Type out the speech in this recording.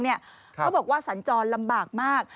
เขาบอกว่าสัญจรลำบากมาก